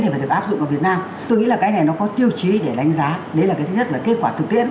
phải được áp dụng ở việt nam tôi nghĩ là cái này nó có tiêu chí để đánh giá đấy là cái thứ nhất là kết quả thực tiễn